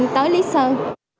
tới lý sơn